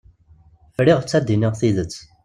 Friɣ-tt ad d-iniɣ tidet.